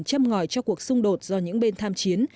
châm ngòi cho cuộc xung đột do những bên tham chiến